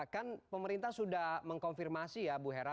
kan pemerintah sudah mengkonfirmasi ya bu hera